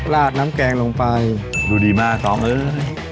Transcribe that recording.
ราดน้ำแกงลงไปดูดีมากสองเอ้ย